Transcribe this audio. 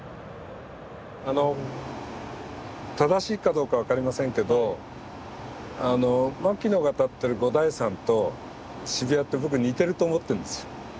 あの正しいかどうかは分かりませんけど牧野が立ってる五台山と渋谷って僕似てると思ってるんですよ。